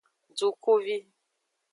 Dukuvi.